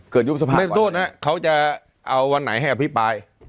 เดินถู่นะเค้าจะเอาวันไหนให้อภิบาย